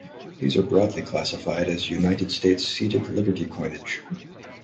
These are broadly classified as United States Seated Liberty coinage.